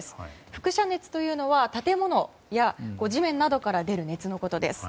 輻射熱というのは建物や地面などから出る熱のことです。